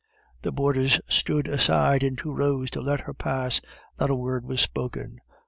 The boarders stood aside in two rows to let her pass; not a word was spoken.